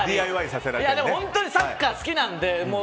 本当にサッカー好きなので。